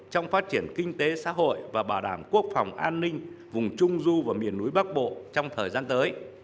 trong phát triển kinh tế xã hội và bảo đảm quốc phòng an ninh vùng trung du và miền núi bắc bộ trong thời gian tới